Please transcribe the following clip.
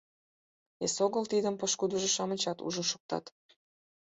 Эсогыл тидым пошкудыжо-шамычат ужын шуктат.